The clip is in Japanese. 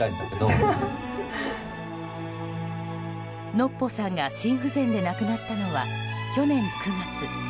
ノッポさんが心不全で亡くなったのは去年９月。